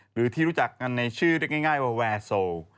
หรือที่รู้จักกันในชื่อเรียกง่ายว่าแวร์โซล